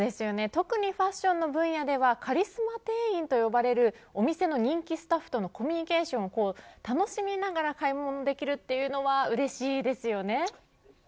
特にファッションの分野ではカリスマ店員と呼ばれるお店の人気スタッフとのコミュニケーションを楽しみながら買い物できるというのはそうなんですよね。